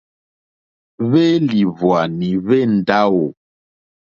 Hwélìhwwànì hwé ndáwò.